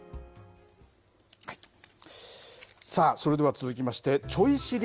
さあ、それでは続きまして、ちょい知り！